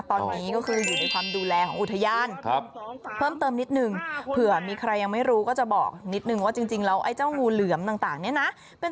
ตอนนี้ก็คืออยู่ในความดูแลของอุทยาน